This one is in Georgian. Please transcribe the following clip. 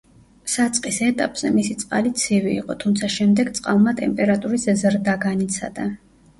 საწყის ეტაპზე მისი წყალი ცივი იყო, თუმცა შემდეგ წყალმა ტემპერატურის ზრდა განიცადა.